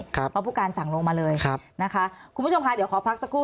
เพราะผู้การสั่งลงมาเลยนะคะคุณผู้ชมค่ะเดี๋ยวขอพักสักครู่